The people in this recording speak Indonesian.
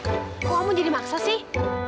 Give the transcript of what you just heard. kamu jadi maksa sih